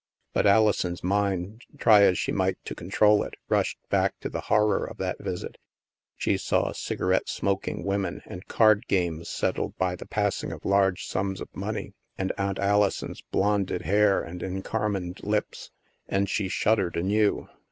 But Alison's mind, try as she might to control it, rushed back to the horror of that visit; she saw cigarette smok ing women, and card games settled by the passing bf large sums of money, and Aunt Alison's blonded hair and encarmined lips and she shuddered anew.